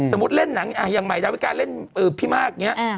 เล่นหนังอย่างใหม่ดาวิกาเล่นพี่มากอย่างนี้